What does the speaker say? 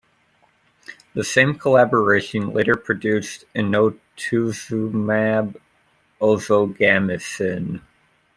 The same collaboration later produced inotuzumab ozogamicin.